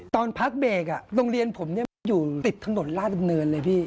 ตอนพักเบรกโรงเรียนผมเนี่ยมันอยู่ติดถนนราชดำเนินเลยพี่